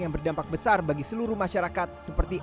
yang berdampak besar bagi seluruh masyarakat seperti